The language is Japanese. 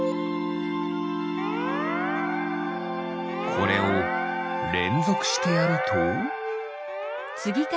これをれんぞくしてやると？